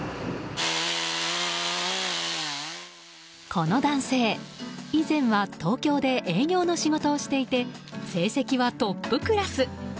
この男性、以前は東京で営業の仕事をしていて成績はトップクラス。